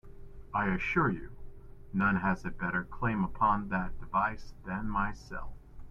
I assure you, none has a better claim upon that device than myself.